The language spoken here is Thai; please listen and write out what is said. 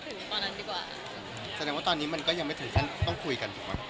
พี่มีศาลกยนต์ลงยอมสั่งอยู่มั้ยคะเพื่อให้มีพีชที่เต็มต่อไปอยู่กันไหมคะ